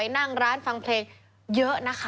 นั่งร้านฟังเพลงเยอะนะคะ